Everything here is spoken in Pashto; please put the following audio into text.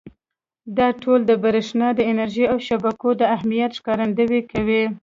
دا ټول د برېښنا د انرژۍ او شبکو د اهمیت ښکارندويي کوي.